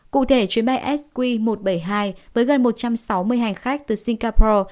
cụ thể chuyến bay sq một trăm bảy mươi hai với gần một trăm sáu mươi hành khách từ singapore